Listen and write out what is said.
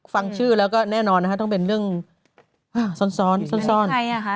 ฟังชื่อแล้วก็แน่นอนต้องเป็นเรื่องซ้อน